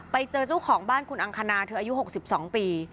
ไปเจอเจ้าของบ้านคุณอังคณาเธออายุ๖๒ปี